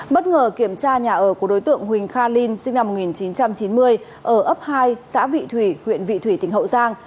bất ngờ kiểm tra nhà ở của đối tượng huỳnh kha linh sinh năm một nghìn chín trăm chín mươi ở ấp hai xã vị thủy huyện vị thủy tỉnh hậu giang